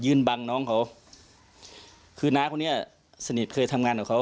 บังน้องเขาคือน้าคนนี้สนิทเคยทำงานกับเขา